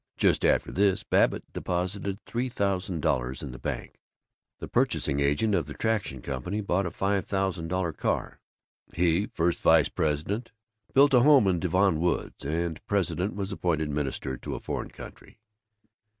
Just after this Babbitt deposited three thousand dollars in the bank, the purchasing agent of the Street Traction Company bought a five thousand dollar car, the first vice president built a home in Devon Woods, and the president was appointed minister to a foreign country.